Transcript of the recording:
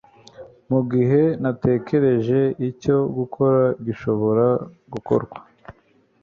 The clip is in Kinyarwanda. Mugihe natekereje icyo gukora gishobora gukorwa